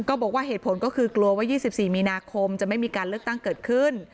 ก็บอกว่าเหตุผลก็คือกลัวว่า๒๔มีนาคมจะไม่มีการเลือกตั้งเกิดขึ้น